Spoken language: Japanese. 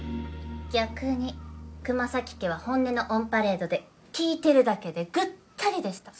逆に熊咲家は本音のオンパレードで聞いてるだけでぐったりでした。